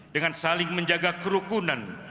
dengan saling menjaga kerukunan